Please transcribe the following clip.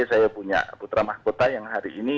saya punya putra mahkota yang hari ini